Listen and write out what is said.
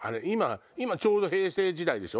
今ちょうど平成時代でしょ